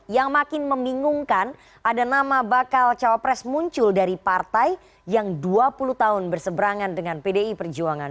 yang makin membingungkan ada nama bakal cawapres muncul dari partai yang dua puluh tahun berseberangan dengan pdi perjuangan